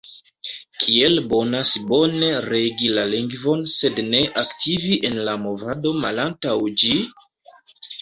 Kiel bonas bone regi la lingvon sed ne aktivi en la Movado malantaŭ ĝi?